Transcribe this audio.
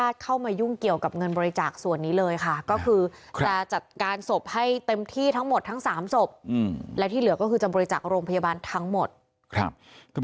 เท่าที่เงินบริจาคเข้ามาทางสวพทยืนยันว่า